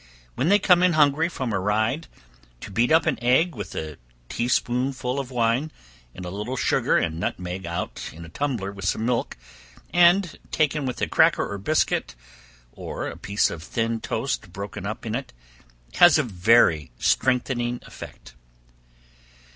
When they come in hungry from a ride, to beat up an egg with a tea spoonful of wine, and a little sugar and nutmeg put in a tumbler with some milk, and taken with a cracker or biscuit, or a piece of thin toast broken up in it, has a very strengthening effect.